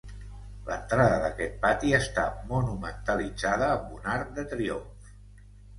L'entrada d'aquest pati està monumentalitzada amb un arc de triomf.